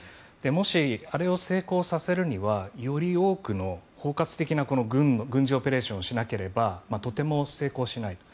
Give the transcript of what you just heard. もし、あれを成功させるにはより多くの包括的な軍事オペレーションをしなければとても成功しないと。